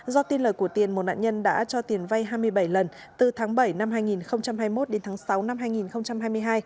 do tin lời của tiền một nạn nhân đã cho tiền vay hai mươi bảy lần từ tháng bảy năm hai nghìn hai mươi một đến tháng sáu năm hai nghìn hai mươi hai